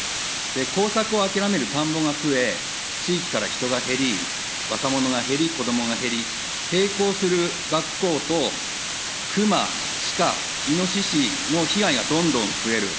耕作を諦める田んぼが増え、地域から人が減り、若者が減り、子どもが減り、並行する学校等、クマ、シカ、イノシシの被害がどんどん増える。